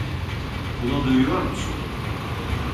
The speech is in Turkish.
Bunu duyuyor musun?